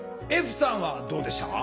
歩さんはどうでしたか？